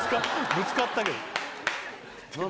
ぶつかったけど何だ？